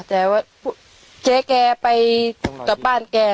แต่ว่าเจ๊แกไปกลับบ้านแก